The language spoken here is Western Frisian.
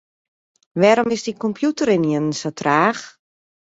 Wêrom is dyn kompjûter ynienen sa traach?